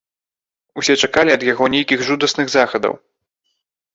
Усе чакалі ад яго нейкіх жудасных захадаў.